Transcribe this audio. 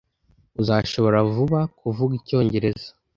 Uzashobora vuba kuvuga icyongereza.